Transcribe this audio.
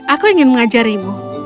aku ingin mengajarimu